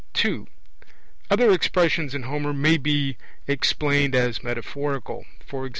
(2) Other expressions in Homer may be explained as metaphorical; e.g.